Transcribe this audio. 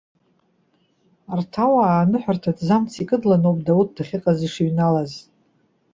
Арҭ ауаа, аныҳәарҭа аҭӡамц икыдланоуп Дауҭ дахьыҟаз ишыҩналаз.